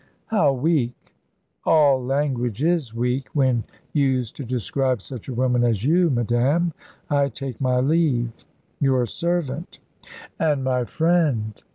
"How weak!" "All language is weak, when used to describe such a woman as you, madame. I take my leave. Your servant!" "And my friend?"